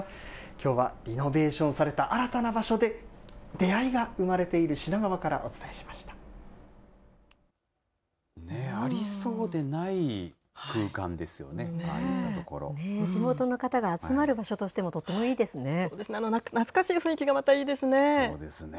きょうはリノベーションされた新たな場所で出会いが生まれてありそうでない空間ですよね、地元の方が集まる場所としてそうですね、懐かしい雰囲気そうですね。